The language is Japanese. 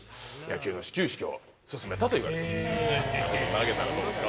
投げたらどうですか？